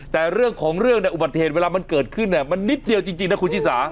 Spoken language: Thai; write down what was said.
แต่เรื่องของเรื่องในอุบัติเหตุเวลามันเกิดขึ้นมันนิดเดียวจริงนะคุณชิสา